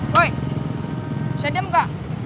bisa diam kak